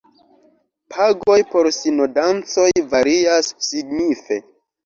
Pagoj por sinodancoj varias signife.